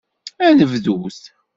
Ad nebdut!